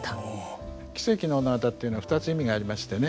奇蹟の女方っていうのは２つ意味がありましてね。